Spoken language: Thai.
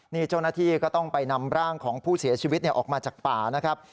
นี่เจ้าหน้าที่ก็ต้องไปนำร่างของผู้เสียชีวิตออกมาจากป่านะครับ